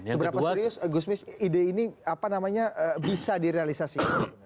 seberapa serius gusmis ide ini bisa direalisasi